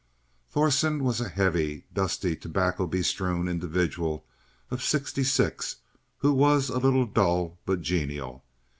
Thorsen was a heavy, dusty, tobacco bestrewn individual of sixty six, who was a little dull but genial.